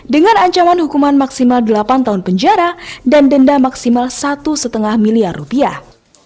dengan ancaman hukuman maksimal delapan tahun penjara dan denda maksimal satu lima miliar rupiah